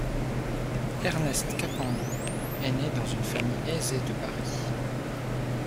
Ernest Capendu est né dans une famille aisée de Paris.